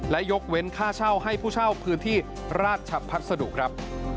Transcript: และยกเว้นค่าเช่าให้ผู้เช่าพื้นที่ราชพัสดุครับ